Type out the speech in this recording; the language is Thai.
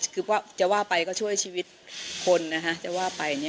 คือว่าจะว่าไปก็ช่วยชีวิตคนนะคะ